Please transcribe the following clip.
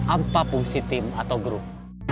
apa fungsi tim atau grup